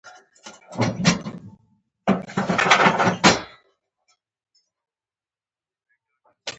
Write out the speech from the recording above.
په افغانستان کې وحشي حیواناتو لپاره طبیعي شرایط مناسب دي.